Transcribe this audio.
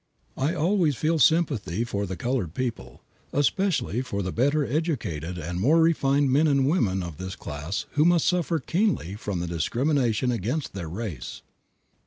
I always feel sympathy for the colored people, especially for the better educated and more refined men and women of this class who must suffer keenly from the discrimination against their race.